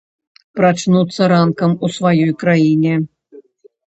Прачнуцца ранкам у сваёй краіне.